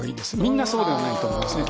みんなそうではないと思いますね。